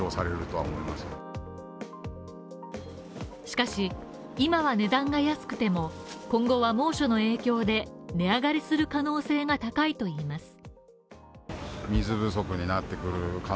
しかし、今は値段が安くても今後は猛暑の影響で値上がりする可能性が高いといいます。